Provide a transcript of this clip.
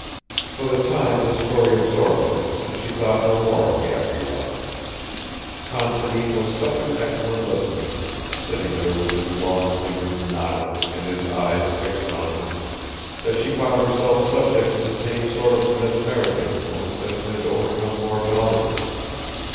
For the time the story absorbed her and she thought no more of Gabrielle. Considine was such an excellent listener, sitting there with his long fingers knotted and his eyes fixed on her, that she found herself subject to the same sort of mesmeric influence as had overcome Lord Halberton.